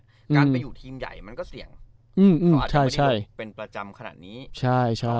การไปอยู่ทีมใหญ่มันก็เสี่ยงอืมเขาอาจจะไม่ใช่เป็นประจำขนาดนี้ใช่ใช่